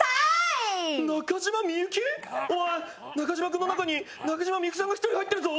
君の中に中島みゆきさんが１人入ってるぞ。